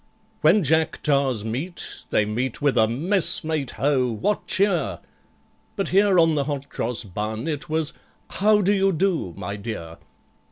When Jack Tars meet, they meet with a "Messmate, ho! What cheer?" But here, on the Hot Cross Bun, it was "How do you do, my dear?"